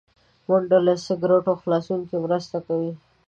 منډه له سګرټو خلاصون کې مرسته کوي